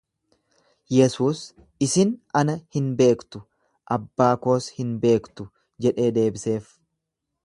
Yesuus, Isin ana hin beektu, abbaa koos hin beektu jedhee deebiseef.